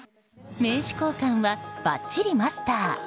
名刺交換は、ばっちりマスター。